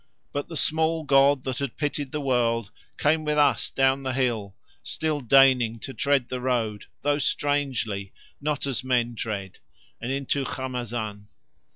But the small god that had pitied the world came with us down the hill, still deigning to tread the road, though strangely, not as men tread, and into Khamazan.